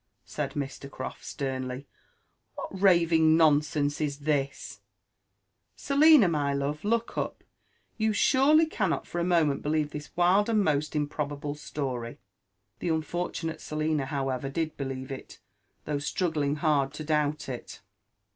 said Mr. CrofI sternly ;•* what raving nonsense is this ? Selina, my love, look up; you surely cannot for a moment believe this wild and most improbable story 1" The unfortunate Selina however did believe it, though struggling hard to doubt it.